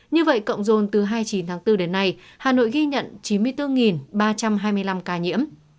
như vậy cộng dồn từ hai mươi chín tháng bốn đến nay hà nội ghi nhận chín mươi bốn ba trăm hai mươi năm ca nhiễm